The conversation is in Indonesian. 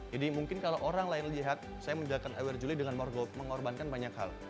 jadi mungkin kalau orang lain lihat saya menjalankan iwer zule dengan mengorbankan banyak hal